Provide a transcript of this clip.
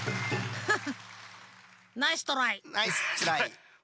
フフフ。